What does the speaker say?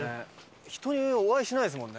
人にお会いしないですもんね。